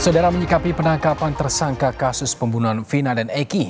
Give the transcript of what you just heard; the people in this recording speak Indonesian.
saudara menyikapi penangkapan tersangka kasus pembunuhan vina dan eki